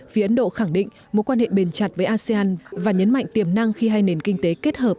phía ấn độ khẳng định mối quan hệ bền chặt với asean và nhấn mạnh tiềm năng khi hai nền kinh tế kết hợp